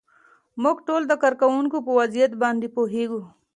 موږ ټول د کارکوونکو په وضعیت باندې پوهیږو.